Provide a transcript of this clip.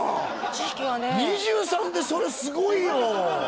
知識がね２３でそれすごいよ！